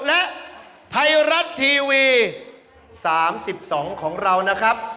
และไทยรัฐทีวี๓๒ของเรานะครับ